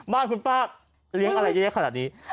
บ้านคุณป้าเลี้ยงอะไรเยอะขนาดนี้